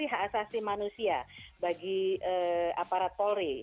hak asasi manusia bagi aparat polri